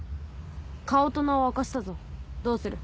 顔と名を明かしたぞどうする？